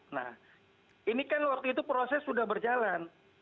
nah ini kan waktu itu proses sudah berjalan